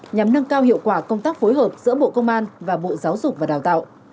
nhằm nâng cao hiệu quả công tác phối hợp giữa bộ công an và bộ giáo dục và đào tạo